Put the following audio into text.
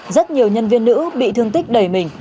rất nhiều nhân viên nữ bị thương tích đầy mình